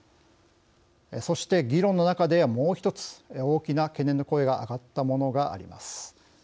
そして議論の中では、もう１つ大きな懸念の声が上がったものがあります。